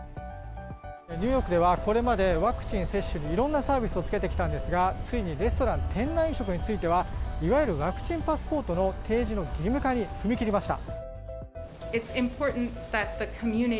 ニューヨークではこれまでワクチン接種にいろんなサービスをつけてきたんですがついに、レストラン店内飲食についてはいわゆるワクチンパスポートの提示の義務化に踏み切りました。